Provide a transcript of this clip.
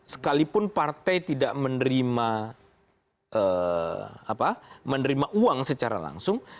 sekalipun partai tidak menerima uang secara langsung